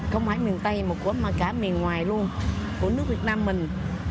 không chỉ miền tây mà cả miền ngoài luôn của nước việt nam mình